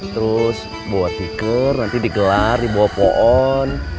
terus bawa tikar nanti digelar dibawa pohon